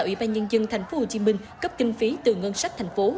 ủy ban nhân dân tp hcm cấp kinh phí từ ngân sách thành phố